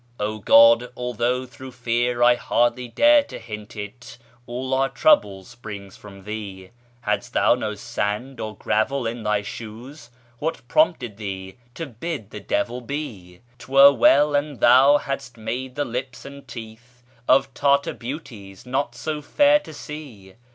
" 0 God, although through fear I hardly dare To hint it, all our trouble springs from Thee. Had'st Thou no sand or gravel in Thy shoes What prompted Thee to bid the Devil be 1 'Twere well an Thou had'st made the lips and teeth Of Tartar beauties not so fair to see.